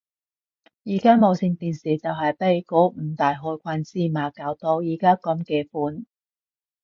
而家無線電視就係被嗰五大害群之馬搞到而家噉嘅款